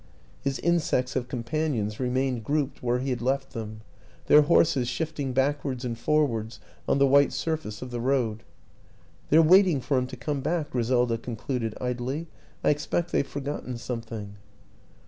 His insects of companions remained grouped where he had left them, their horses shifting backwards and forwards on the white sur face of the road. " They're waiting for him to come back," Gri selda concluded idly. " I expect they've forgot ten something."